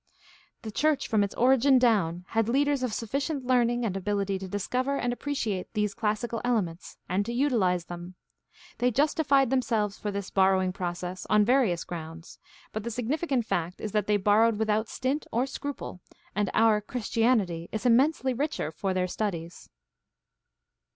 The church from its origin down had leaders of sufficient learning and ability to discover and appreciate these classic elements and to utiKze them. They justified themselves for this borrowing process on various CHRISTIANITY AND SOCIAL PROBLEMS 683 grounds; but the significant fact is that they borrowed with out stint or scruple, and our "Christianity" is immensely richer for their studies.